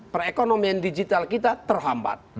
perekonomian digital kita terhapus